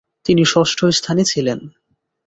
তিনি ষষ্ঠ স্থানে ছিলেন।